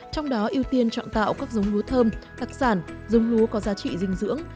trong đó ưu tiên chọn tạo các giống lúa thơm đặc sản giống lúa có giá trị dinh dưỡng